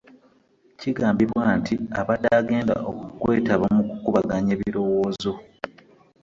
Kigambibwa nti abadde agenda okwetaba mu kukubaganya ebirowoozo